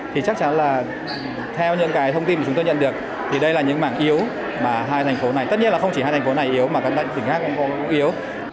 thì chắc chắn là theo những cái thông tin mà chúng tôi nhận được thì đây là những mảng yếu mà hai thành phố này tất nhiên là không chỉ hai thành phố này yếu mà các bệnh tỉnh khác cũng yếu